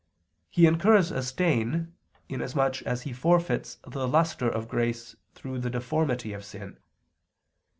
He incurs a stain, inasmuch as he forfeits the lustre of grace through the deformity of sin.